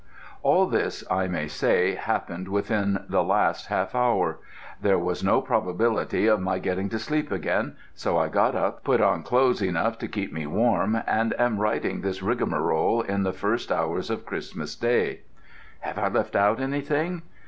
All this, I may say, happened within the last half hour. There was no probability of my getting to sleep again, so I got up, put on clothes enough to keep me warm, and am writing this rigmarole in the first hours of Christmas Day. Have I left out anything?